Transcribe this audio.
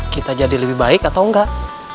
kita jadi lebih baik atau enggak